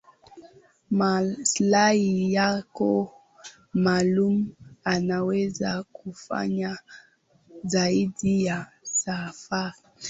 maslahi yako maalum unaweza kufanya zaidi ya safari